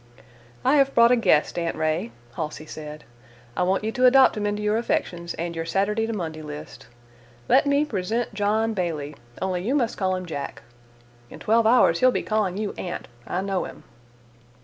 "I have brought a guest, Aunt Ray," Halsey said. "I want you to adopt him into your affections and your Saturday to Monday list. Let me present John Bailey, only you must call him Jack. In twelve hours he'll be calling you 'Aunt': I know him."